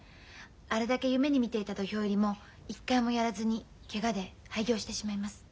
あれだけ夢に見ていた土俵入りも一回もやらずにケガで廃業してしまいます。